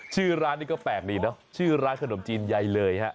ชื่อร้านนี้ก็แปลกดีเนอะชื่อร้านขนมจีนใยเลยฮะ